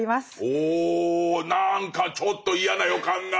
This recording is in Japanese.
おお何かちょっと嫌な予感が。